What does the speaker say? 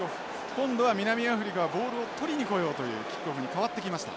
今度は南アフリカはボールをとりにこようというキックオフに変わってきました。